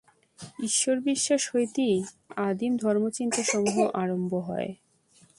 ঈশ্বরবিশ্বাস হইতেই আদিম ধর্মচিন্তাসমূহ আরম্ভ হয়।